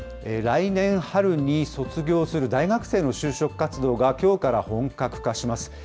来年春に卒業する大学生の就職活動が、きょうから本格化します。